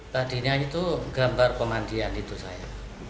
tadinya itu gambar pemandian itu saya